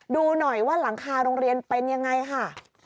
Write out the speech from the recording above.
ดูหน่อยว่าหลังคาโรงเรียนเป็นยังไงค่ะ